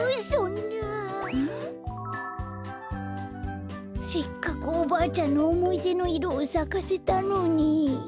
せっかくおばあちゃんのおもいでのいろをさかせたのに。